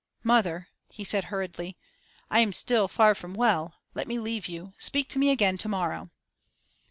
'Mother,' he said, hurriedly, 'I am still far from well. Let me leave you: speak to me again to morrow.